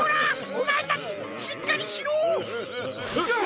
おまえたちしっかりしろっ！